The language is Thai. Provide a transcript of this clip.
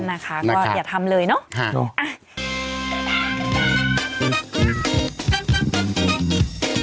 นะคะก็อย่าทำเลยเนาะ